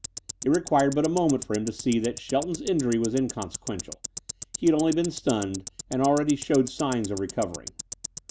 It required but a moment for him to see that Shelton's injury was inconsequential. He had only been stunned and already showed signs of recovering.